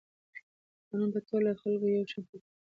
قانون په ټولو خلکو یو شان تطبیقیږي.